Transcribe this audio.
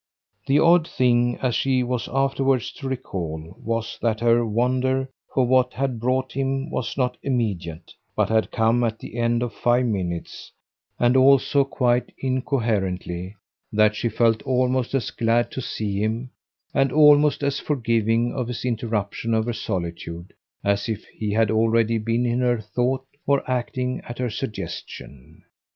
The odd thing, as she was afterwards to recall, was that her wonder for what had brought him was not immediate, but had come at the end of five minutes; and also, quite incoherently, that she felt almost as glad to see him, and almost as forgiving of his interruption of her solitude, as if he had already been in her thought or acting at her suggestion.